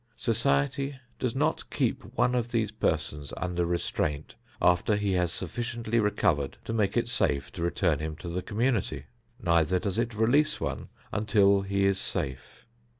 Society does not keep one of these persons under restraint after he has sufficiently recovered to make it safe to return him to the community; neither does it release one until he is safe.